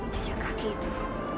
jejak kaki itu